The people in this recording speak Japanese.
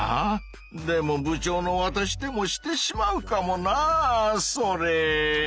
でも部長のわたしでもしてしまうかもなそれ！